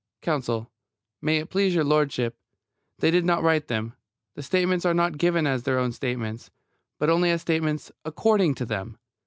COUNSEL: May it please your ludship, they did not write them. The statements are not given as their own statements, but only as statements "according to them."